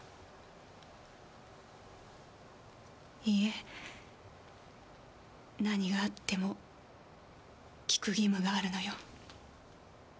いいえ何があっても聞く義務があるのよ。